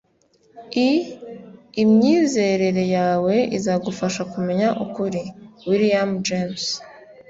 i imyizerere yawe izagufasha kumenya ukuri. - william james